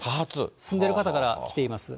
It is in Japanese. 住んでる方から来ています。